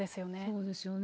そうですよね。